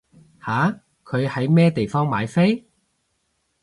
吓？佢喺咩地方買飛？